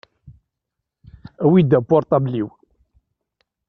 Awi-d apurṭabl-iw.